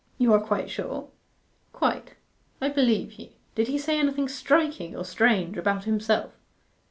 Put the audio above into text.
'You are quite sure?' 'Quite.' 'I believe you. Did he say anything striking or strange about himself?